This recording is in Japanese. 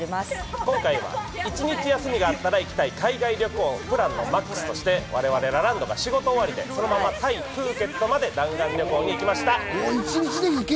今回は一日休みがあったら行きたい海外旅行をプランのＭＡＸとして、我々ラランドが仕事終わりで、そのままタイ・プーケットまで弾丸旅行に行きま一日で行ける？